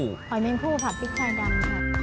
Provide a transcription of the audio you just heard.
หอยแมลงคู่ผัดพริกไทยดำ